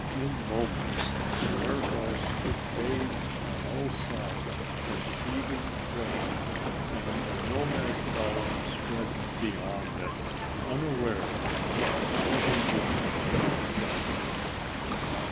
In moments the warehouse was bathed on all sides in seething flame, and the nomad column spread beyond it, unaware of the mortal damage they had done.